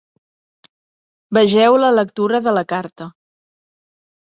Vegeu la lectura de la carta.